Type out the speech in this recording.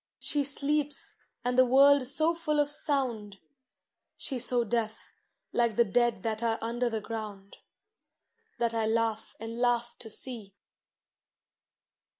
She sleeps, and the world so full of sound — She 's so deaf, like the dead that are under the ground, That I laugh and laugh to see.